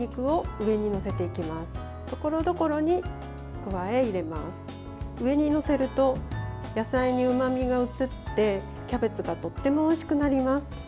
上に載せると野菜にうまみが移ってキャベツがとってもおいしくなります。